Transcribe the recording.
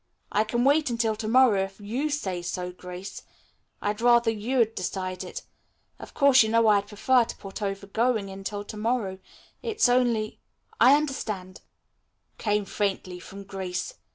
"I can wait until to morrow if you say so, Grace. I'd rather you'd decide it. Of course, you know I'd prefer to put over going until to morrow. It's only " "I understand," came faintly from Grace.